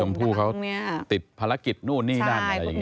ผู้เขาติดภารกิจนู่นนี่นั่นอะไรอย่างนี้